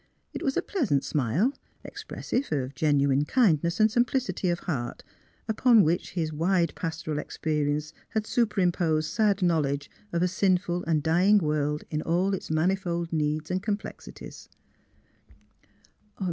It was a pleasant smile, expressive of genuine kindness and simplicity of heart, upon which his wide pas toral experience had superimposed sad knowledge of a sinful and dying world in all its manifold needs and complexities.